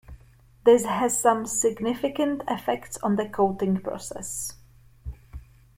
This has some significant effects on the coating process.